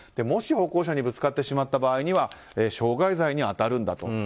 もし歩行者にぶつかってしまった場合には傷害罪に当たるんだと。